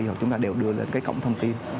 dù chúng ta đều đưa lên cái cổng thông tin